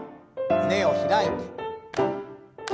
胸を開いて。